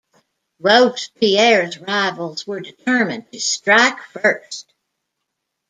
Robespierre's rivals were determined to strike first.